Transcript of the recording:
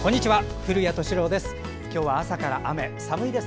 古谷敏郎です。